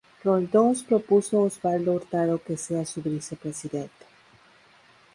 Roldós propuso a Osvaldo Hurtado que sea su vicepresidente.